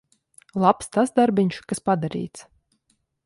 Labs tas darbiņš, kas padarīts.